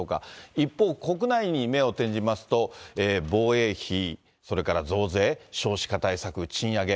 一方、国内に目を転じますと、防衛費、それから増税、少子化対策、賃上げ。